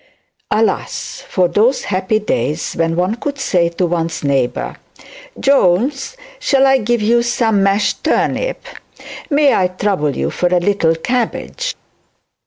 Alas! for those happy days when one could say to one's neighbourhood, 'Jones, shall I give you some mashed turnip may I trouble you for a little cabbage?'